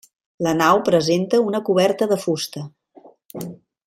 La nau presenta una coberta de fusta.